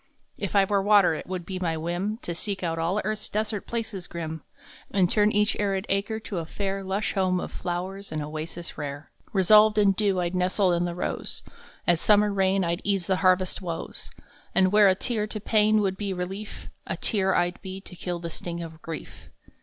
If I were water it would be my whim To seek out all earth s desert places grim, And turn each arid acre to a fair Lush home of flowers and oasis rare. [ 16] Resolved in dew, I d nestle in the rose. As summer rain I d ease the harvest woes, And where a tear to pain would be relief, A tear I d be to kill the sting of grief.